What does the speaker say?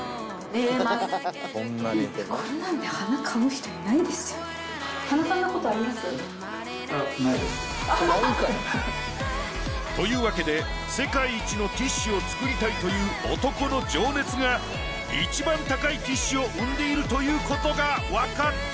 こんなんで鼻かむ人いないですよね。というわけで世界一のティッシュを作りたいという男の情熱が一番高いティッシュを生んでいるということがわかった。